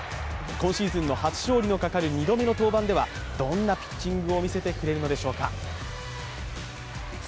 今シーズンの初勝利のかかる２度目の登板ではどんなピッチングを見せてくれるのでしょうか。